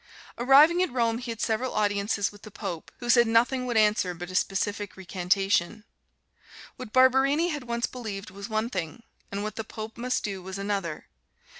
Arriving at Rome, he had several audiences with the Pope, who said nothing would answer but a specific recantation. What Barberini had once believed was one thing, and what the Pope must do was another.